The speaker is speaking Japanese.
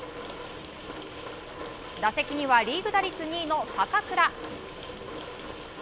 打席にはリーグ打率２位の坂倉。